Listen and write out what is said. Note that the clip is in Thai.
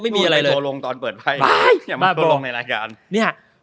ไม่มีอะไรเลยตัวลงตอนเปิดไพ่ไปอย่ามาตัวลงในรายการนี่ค่ะ